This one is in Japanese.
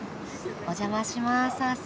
お邪魔します。